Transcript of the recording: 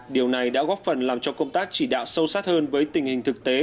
điều này đã góp phần làm cho công tác chỉ đạo sâu sát hơn với tình hình thực tế